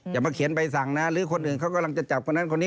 อย่ามาเขียนใบสั่งนะหรือคนอื่นเขากำลังจะจับคนนั้นคนนี้